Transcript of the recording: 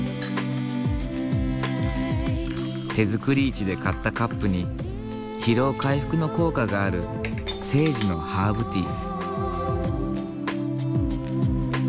手づくり市で買ったカップに疲労回復の効果があるセージのハーブティー。